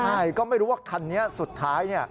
ใช่ก็ไม่รู้ว่าคันนี้สุดท้าย